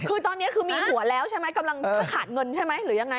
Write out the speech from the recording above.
คือตอนนี้คือมีหัวแล้วใช่ไหมกำลังถ้าขาดเงินใช่ไหมหรือยังไง